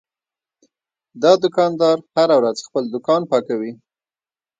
دا دوکاندار هره ورځ خپل دوکان پاکوي.